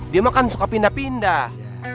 dia mah kan suka pindah pindah